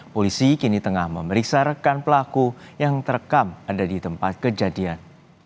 polisi kini tengah memeriksa rekan pelaku yang terekam ada di tempat kejadian